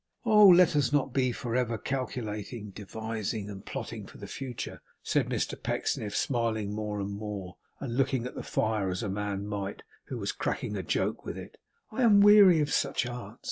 'Oh! let us not be for ever calculating, devising, and plotting for the future,' said Mr Pecksniff, smiling more and more, and looking at the fire as a man might, who was cracking a joke with it: 'I am weary of such arts.